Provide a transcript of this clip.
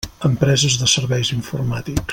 Empreses de serveis informàtics.